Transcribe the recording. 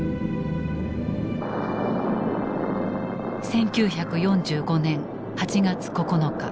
１９４５年８月９日。